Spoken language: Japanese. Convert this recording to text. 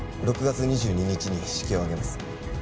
６月２２日に式を挙げます。